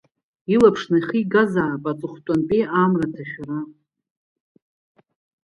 Илаԥш нахигазаап аҵыхәтәантәи амра аҭашәара.